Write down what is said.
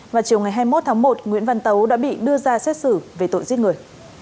vào chiều ngày hai mươi một tháng một nguyễn văn tấu đã bị đưa ra xét xử về tội giết người